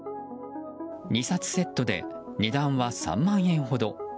２冊セットで値段は３万円ほど。